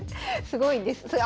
すごいんです。